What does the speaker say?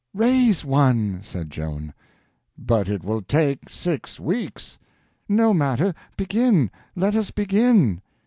"Raise one!" said Joan. "But it will take six weeks." "No matter—begin! let us begin!"